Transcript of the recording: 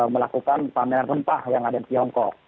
melakukan pameran rempah yang ada di tiongkok